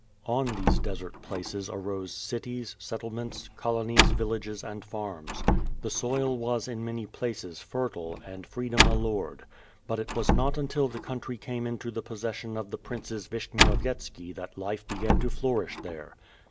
On these desert places arose cities, settlements, colonies, villages, and farms. The soil was in many places fertile, and freedom allured. But it was not until the country came into the possession of the Princes Vishnyovyetski that life began to flourish there.